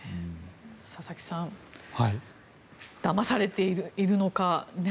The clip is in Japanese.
佐々木さんだまされているのか。